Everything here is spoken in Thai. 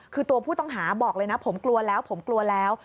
คือตัวผู้ต้องหาบอกเลยนะผมกลัวแล้วผมกลัวแล้ว